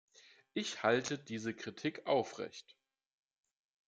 Ich halte diese Kritik aufrecht.